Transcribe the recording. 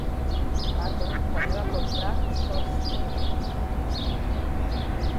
Baton també va comprar Sault Ste.